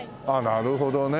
なるほどね。